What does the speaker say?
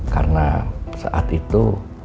karena saat itu